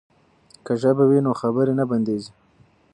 که ژبه وي نو خبرې نه بندیږي.